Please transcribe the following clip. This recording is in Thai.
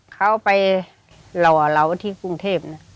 เขาไปหล่อเราที่กรุงเทพ